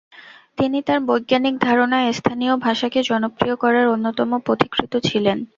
তিনি তাঁর বৈজ্ঞানিক ধারনায় স্থানীয় ভাষাকে জনপ্রিয় করার অন্যতম পথিকৃৎ ছিলেন।